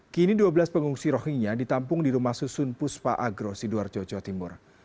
kini dua belas pengungsi rohingya ditampung di rumah susun puspa agro sidoar jogja timur